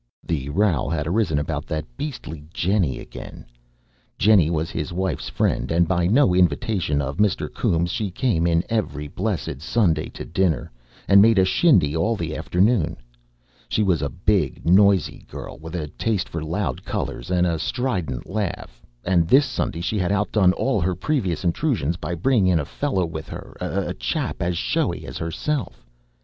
The row had arisen about that beastly Jennie again. Jennie was his wife's friend, and, by no invitation of Mr. Coombes, she came in every blessed Sunday to dinner, and made a shindy all the afternoon. She was a big, noisy girl, with a taste for loud colours and a strident laugh; and this Sunday she had outdone all her previous intrusions by bringing in a fellow with her, a chap as showy as herself.